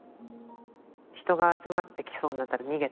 人が集まってきそうになったら逃げたりしてました。